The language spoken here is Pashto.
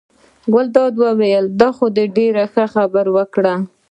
ګلداد وویل: دا خو دې ډېره ښه خبره وکړه.